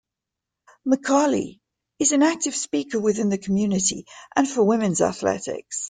McCallie is an active speaker within the community and for women's athletics.